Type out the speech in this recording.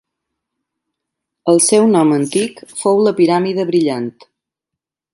El seu nom antic fou la piràmide brillant.